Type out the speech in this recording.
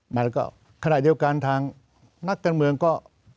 มาก็ขนาดเดียวกันทางนักการเมืองก็